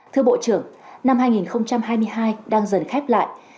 thưa bộ trưởng năm hai nghìn hai mươi hai đang dần khép lại